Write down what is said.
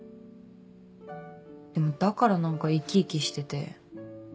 でもだから何か生き生きしてて。